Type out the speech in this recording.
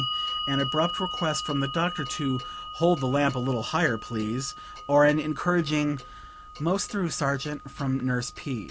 an abrupt request from the Doctor to "Hold the lamp a little higher, please," or an encouraging, "Most through, Sergeant," from Nurse P.